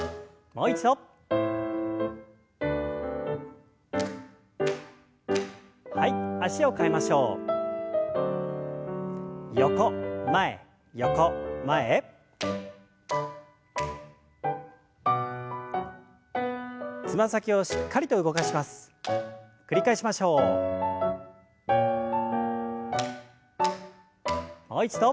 もう一度。